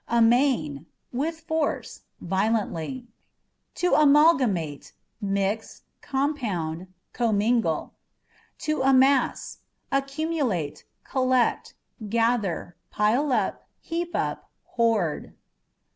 Amain â€" with force, violently. To Amalgamate â€" mix, compound, commingle. To Amass â€" accumulate, collect, gather, pile up, heap up, hoard.